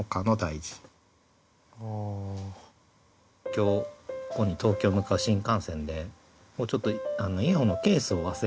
今日東京に向かう新幹線でちょっとイヤホンのケースを忘れかけて。